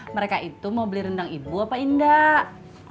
mereka itu mau beli rendang ibu apa indah